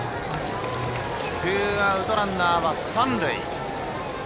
ツーアウト、ランナーは三塁。